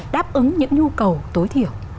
đáp ứng những nhu cầu tối thiểu